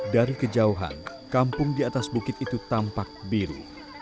dari kejauhan kampung di atas bukit itu tampak biru